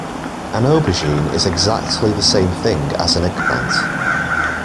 An aubergine is exactly the same thing as an eggplant